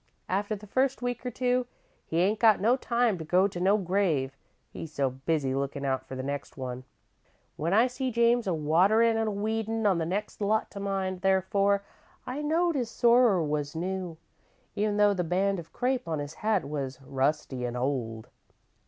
After the first week or two, he ain't got no time to go to no grave, he's so busy lookin' out for the next one. When I see James a waterin' an' a weedin' on the next lot to mine, therefore, I knowed his sorrer was new, even though the band of crape on his hat was rusty an' old.